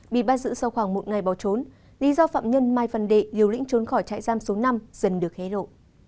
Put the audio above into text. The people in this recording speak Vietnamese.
bị bắt giữ sau khoảng một ngày bỏ trốn lý do phạm nhân mai văn đệ liều lĩnh trốn khỏi trại giam số năm dần được hé lộ